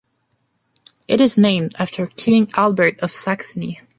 It is named after King Albert of Saxony.